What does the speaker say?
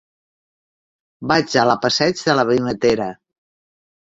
Vaig a la passeig de la Vimetera.